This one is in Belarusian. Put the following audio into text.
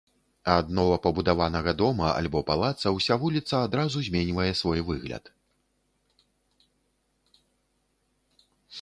Ад новапабудаванага дома альбо палаца ўся вуліца адразу зменьвае свой выгляд.